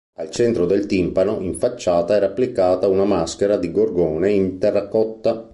Al centro del timpano in facciata era applicata una maschera di Gorgone in terracotta.